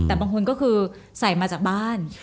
แต่บางคนก็คือใส่มาจากบ้าน